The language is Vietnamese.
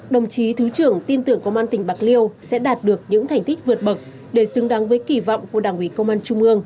đồng chí thứ trưởng tin tưởng công an tỉnh bạc liêu sẽ đạt được những thành tích vượt bậc để xứng đáng với kỳ vọng của đảng ủy công an trung ương